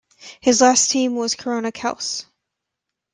His last team was Korona Kielce.